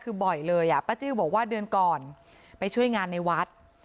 คือบ่อยเลยอ่ะป้าจิ้วบอกว่าเดือนก่อนไปช่วยงานในวัด